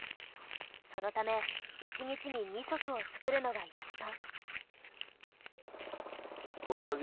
そのため１日に２足を作るのがやっと。